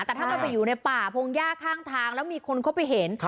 แต่ถ้ามันไปอยู่ในป่าพงหญ้าข้างทางแล้วมีคนเข้าไปเห็น